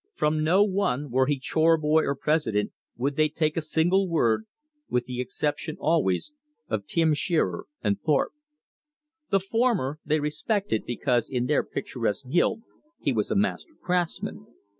From no one, were he chore boy or president, would they take a single word with the exception always of Tim Shearer and Thorpe. The former they respected because in their picturesque guild he was a master craftsman.